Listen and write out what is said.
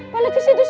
balik ke situ